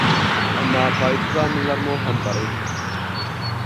ئەمما پايدىسىز ئامىللارمۇ ھەم بار ئىدى.